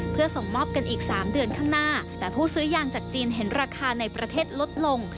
เพื่อส่งมอบกันอีกสามเดือนข้างหน้าแต่ผู้ซื้อยางจากจีนเห็นราคาในประเทศลดลง